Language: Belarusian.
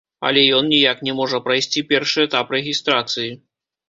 Але ён ніяк не можа прайсці першы этап рэгістрацыі.